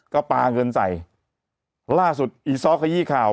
ก็ปาเงินใส่ร่าดสุดคยีข่าว